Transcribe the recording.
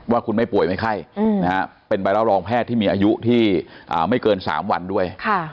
ว่าคุณไม่ป่วยไม่ไข้เป็นใบรับรองแพทย์ที่มีอายุที่ไม่เกิน๓วันด้วย